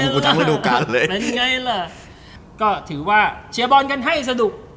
ก็ถือว่าเชียร์บอลกันให้สนุก